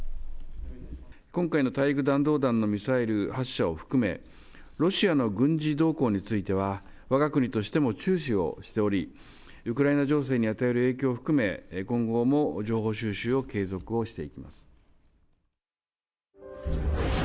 今回の大陸弾道弾のミサイル発射を含め、ロシアの軍事動向については、わが国としても注視をしており、ウクライナ情勢に与える影響を含め、今後も情報収集を継続をしていきます。